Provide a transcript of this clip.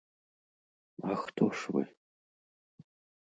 А хто ж вы?